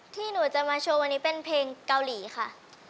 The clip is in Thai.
ที่หนูจะมาโชว์วันนี้เป็นเพลงเกาหลีค่ะ